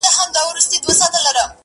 • تا ولي په مسکا کي قهر وخندوئ اور ته_